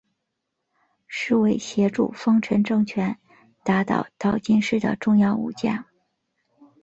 是为协助丰臣政权打倒岛津氏的重要武将。